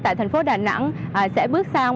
tại thành phố đà nẵng sẽ bước sang